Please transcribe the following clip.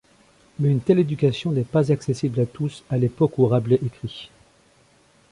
Mais une telle éducation n'est pas accessible à tous, à l'époque où Rabelais écrit.